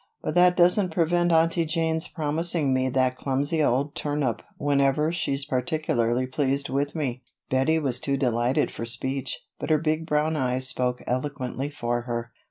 But that doesn't prevent Aunty Jane's promising me that clumsy old turnip whenever she's particularly pleased with me." Bettie was too delighted for speech. But her big brown eyes spoke eloquently for her.